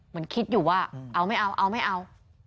คิดอยู่ว่าเอาไม่เอาเอาไม่เอา